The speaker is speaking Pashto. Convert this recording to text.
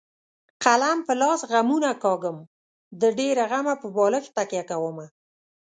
قلم په لاس غمونه کاږم د ډېره غمه په بالښت تکیه کومه.